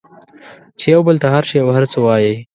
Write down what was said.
چې یو بل ته هر شی او هر څه وایئ